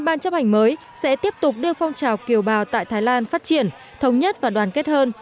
ban chấp hành mới sẽ tiếp tục đưa phong trào kiều bào tại thái lan phát triển thống nhất và đoàn kết hơn